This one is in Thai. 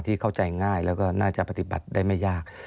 เข้าใจง่ายแล้วก็น่าจะปฏิบัติได้ไม่ยาก